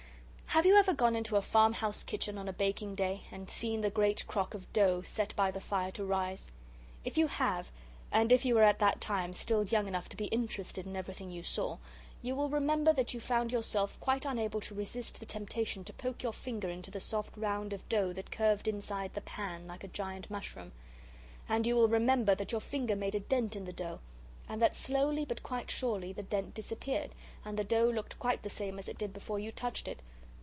Have you ever gone into a farmhouse kitchen on a baking day, and seen the great crock of dough set by the fire to rise? If you have, and if you were at that time still young enough to be interested in everything you saw, you will remember that you found yourself quite unable to resist the temptation to poke your finger into the soft round of dough that curved inside the pan like a giant mushroom. And you will remember that your finger made a dent in the dough, and that slowly, but quite surely, the dent disappeared, and the dough looked quite the same as it did before you touched it.